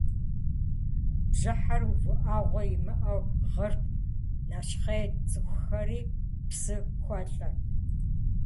Бжьыхьэр увыӏэгъуэ имыӏэу гъырт, нэщхъейт, цӏыхухэри псы хуэлӏэрт.